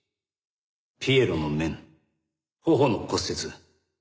ピエロの面頬の骨折。